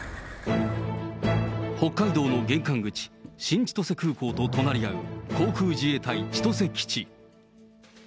北海道の玄関口、新千歳空港と隣り合う航空自衛隊千歳基地。